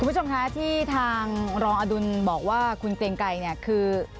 คุณผู้ชมคะที่ทางรองอดุลบอกว่าคุณเกรงไกรเนี่ยคือ